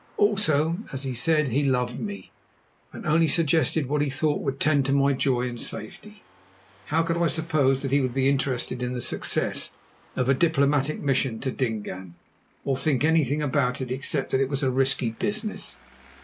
Also, as he said, he loved me, and only suggested what he thought would tend to my joy and safety. How could I suppose that he would be interested in the success of a diplomatic mission to Dingaan, or think anything about it except that it was a risky business?